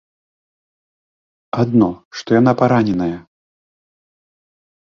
Адно, што яна параненая.